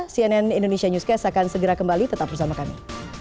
cnn indonesia newscast akan segera kembali tetap bersama kami